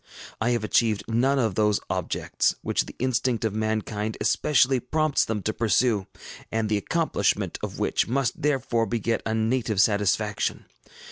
I have achieved none of those objects which the instinct of mankind especially prompts them to pursue, and the accomplishment of which must therefore beget a native satisfaction.